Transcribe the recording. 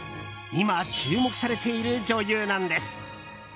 今、注目されている女優なんです。